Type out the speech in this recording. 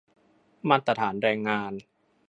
มาตรฐานแรงงาน